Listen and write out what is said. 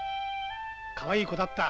かわいい子だった。